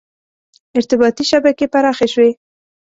• ارتباطي شبکې پراخې شوې.